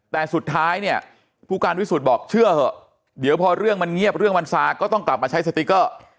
แต่สุดท้ายเนี่ยผู้การวิสุทธิ์บอกเชื่อเถอะเดี๋ยวพอเรื่องมันเงียบเรื่องมันซาก็ต้องกลับมาใช้สติ๊กเกอร์